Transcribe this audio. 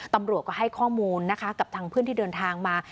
ตำรวจก็ให้ข้อมูลนะคะกับทางเพื่อนที่เดินทางมา